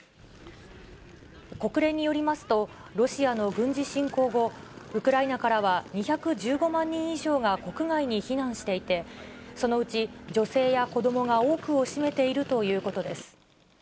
国連によりますと、ロシアの軍事侵攻後、ウクライナからは２１５万人以上が国外に避難していて、そのうち女性や子どもが多くを占めているということです。